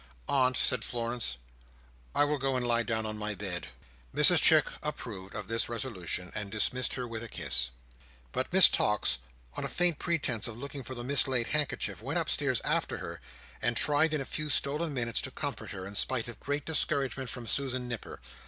"Aunt," said Florence, "I will go and lie down on my bed." Mrs Chick approved of this resolution, and dismissed her with a kiss. But Miss Tox, on a faint pretence of looking for the mislaid handkerchief, went upstairs after her; and tried in a few stolen minutes to comfort her, in spite of great discouragement from Susan Nipper.